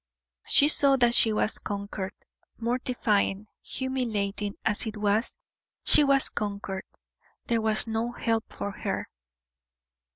She saw that she was conquered; mortifying, humiliating as it was, she was conquered there was no help for her.